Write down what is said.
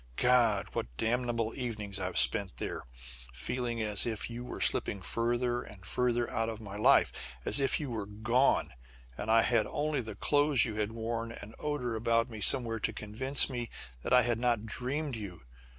God! What damnable evenings I've spent there feeling as if you were slipping further and further out of my life as if you were gone, and I had only the clothes you had worn, an odor about me somewhere to convince me that I had not dreamed you!